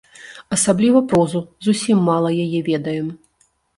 Асабліва прозу, зусім мала яе ведаем.